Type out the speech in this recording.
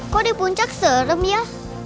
kok di puncak serem ya